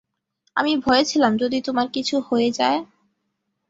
আমি ভয়ে ছিলাম, যদি তোমার কিছু হয়ে যায়!